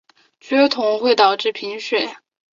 缺铜会导致贫血。